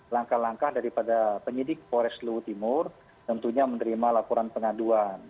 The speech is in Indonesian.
langkah langkah daripada penyidik polres luwu timur tentunya menerima laporan pengaduan